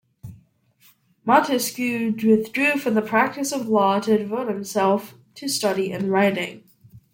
Montesquieu withdrew from the practice of law to devote himself to study and writing.